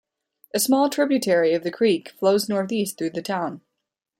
A small tributary of the creek flows northeast through the town.